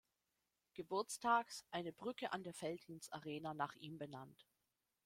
Geburtstags eine Brücke an der Veltins-Arena nach ihm benannt.